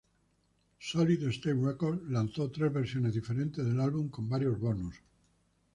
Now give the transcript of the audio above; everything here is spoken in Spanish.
Solid State Records lanzó tres versiones diferentes del álbum con varios bonus.